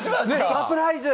サプライズ！